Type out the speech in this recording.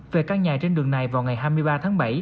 về căn nhà trên đường này vào ngày hai mươi ba tháng bảy